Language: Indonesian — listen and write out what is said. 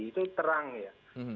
itu terang ya